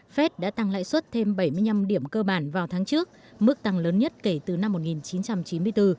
fed đã tăng lại suất thêm bảy mươi năm điểm cơ bản vào tháng trước mức tăng lớn nhất kể từ năm một nghìn chín trăm chín mươi bốn